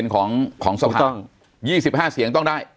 ของสภา๒๕เสียงต้องได้